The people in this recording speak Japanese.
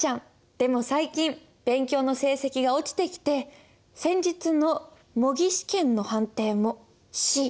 でも最近勉強の成績が落ちてきて先日の模擬試験の判定もＣ。